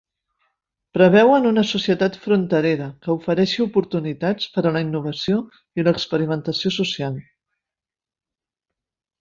Preveuen una societat fronterera, que ofereixi oportunitats per a la innovació i l'experimentació social.